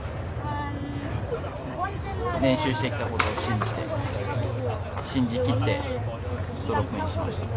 練習してきたことを信じて、信じきってドロップインしました。